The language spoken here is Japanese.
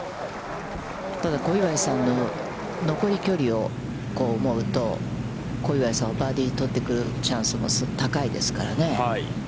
ただ、小祝さんの残り距離を思うと、小祝さんはバーディー取ってくるチャンスが高いですからね。